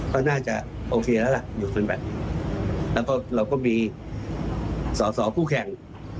ก็น่าจะโอเคแล้วล่ะอยู่คืนแบบนี้แล้วก็เราก็มีสอสอคู่แข่ง